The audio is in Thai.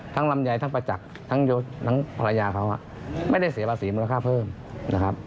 ลำไยทั้งประจักษ์ทั้งภรรยาเขาไม่ได้เสียภาษีมูลค่าเพิ่มนะครับ